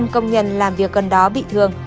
năm công nhân làm việc gần đó bị thương